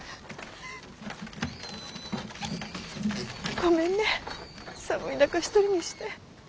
・ごめんね寒い中一人にして。